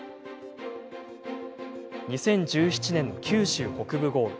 ２０１７年の九州北部豪雨。